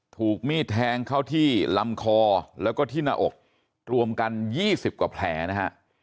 ถูกมีดแทงเข้าที่ลำคอแล้วก็ที่หน้าอกรวมกัน๒๐กว่าแผลนะฮะ